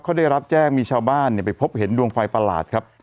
เขาได้รับแจ้งมีชาวบ้านไปพบเห็นดวงไฟประหลาดครับ